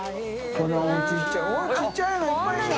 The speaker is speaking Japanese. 發ちっちゃいちっちゃいのいっぱいいるな。